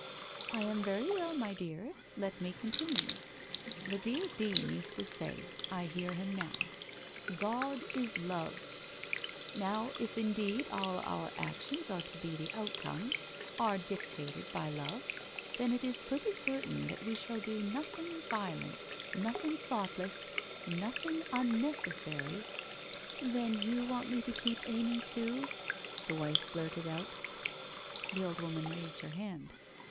' I am very well, my dear. Let me continue. The dear Dean used to say — I hear him now —" God is love "... Now, if indeed all our actions are to be the outcome — are dictated by love, then it is pretty certain that we shall do 'nothing violent, nothing thoughtless, nothing unneces sary '' Then you want me to keep Amy too ?' the wife blurted out. The old woman raised her hand.